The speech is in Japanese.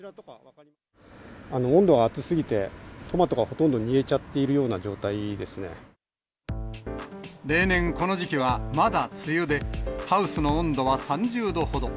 温度が暑すぎて、トマトがほとんど煮えちゃっているような状例年、この時期はまだ梅雨で、ハウスの温度は３０度ほど。